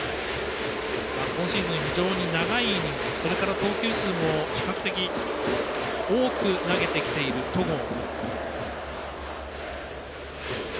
今シーズン、非常に長いイニングそれから投球数も比較的多く投げてきている戸郷。